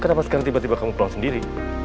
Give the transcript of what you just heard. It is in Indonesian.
kenapa sekarang tiba tiba kamu pulang sendiri